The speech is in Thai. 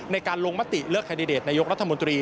ในการลงมติเลือกแคนดิเดตนายกรัฐมนตรี